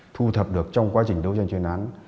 thu thập được trong quá trình đấu tranh chuyên án